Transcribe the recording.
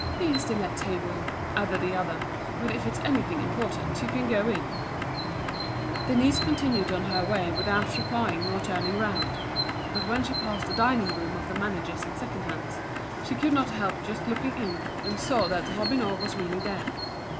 "He is still at table," added the other. "But if it's anything important you can go in." Denise continued on her way without replying or turning round; but when she passed the dining room of the managers and second hands, she could not help just looking in, and saw that Robineau was really there.